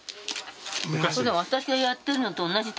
私がやってるのと同じ。